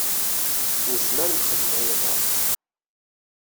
Nezmer ad nexdem aya daɣen.